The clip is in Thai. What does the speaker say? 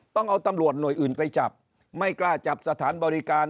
ต้องเอาตำรวจหน่วยอื่นไปจับไม่กล้าจับสถานบริการ